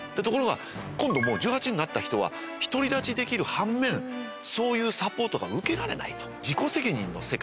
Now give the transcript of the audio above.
ところが今度１８になった人は独り立ちできる反面そういうサポートが受けられない。